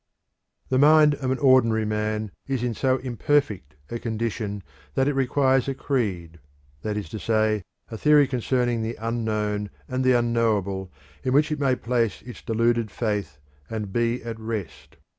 The mind of an ordinary man is in so imperfect a condition that it requires a creed that is to say, a theory concerning the unknown and the unknowable in which it may place its deluded faith and be at rest.